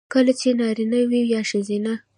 کـه هغـه نـاريـنه وي يـا ښـځيـنه .